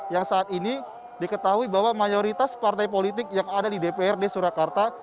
yang saat ini diketahui bahwa mayoritas partai politik yang ada di dprd surakarta